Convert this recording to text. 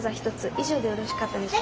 以上でよろしかったでしょうか？